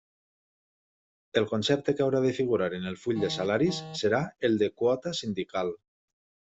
El concepte que haurà de figurar en el full de salaris serà el de “Quota sindical”.